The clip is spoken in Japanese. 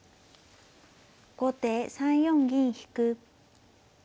後手３四銀引。